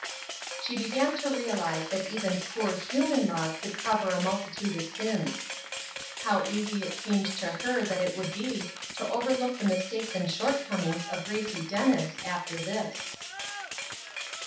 She began to realize that even poor human love could cover a multitude of sins. How easy it seemed to her that it would be to overlook the mistakes and shortcomings of Gracie Dennis, after this!